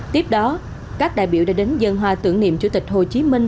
tiếp đó các đại biểu đã đến dân hòa tưởng niệm chủ tịch hồ chí minh